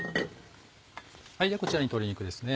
こちらに鶏肉ですね。